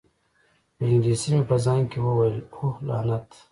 په انګلیسي مې په ځان کې وویل: اوه، لعنت!